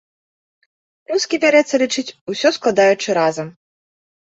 Рускі бярэцца лічыць, усё складаючы разам.